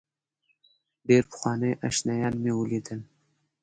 ډېر پخواني آشنایان مې ولیدل.